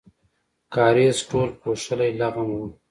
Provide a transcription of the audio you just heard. کاریز ټول پوښلی لغم و.